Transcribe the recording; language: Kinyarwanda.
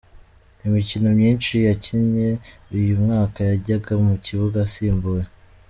Imikino myinshi yakinnye uyu mwaka yajyaga mu kibuga asimbuye